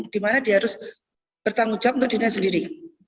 di mana dia harus bertanggung jawab untuk dirinya sendiri